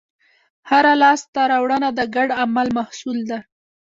هره لاستهراوړنه د ګډ عمل محصول ده.